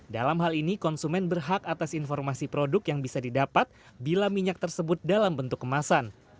dalam hal ini konsumen berhak atas informasi produk yang bisa didapat bila minyak tersebut dalam bentuk kemasan